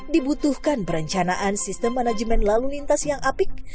dibutuhkan perencanaan sistem manajemen lalu lintas yang apik